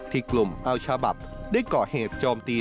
กลุ่มเอาชาบับได้ก่อเหตุโจมตี